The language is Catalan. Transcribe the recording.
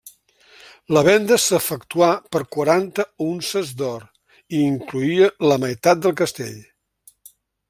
La venda s'efectuà per quaranta unces d'or i incloïa la meitat del castell.